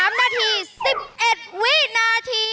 ๓นาที๑๑วินาทีครับ